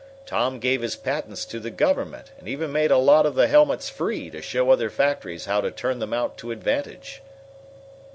Tom gave his patents to the government, and even made a lot of the helmets free to show other factories how to turn them out to advantage."